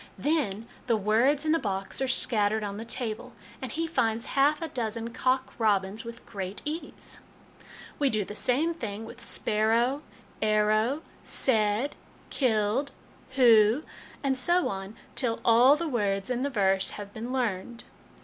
" Then the words in the box are scattered on the table, and he finds half a dozen 'cock robins' with great ease. " We do the same thing with ' sparrow,' c arrow,' ' said,' ' killed,' ' who,' and so on, till all the words in the verse have been learned.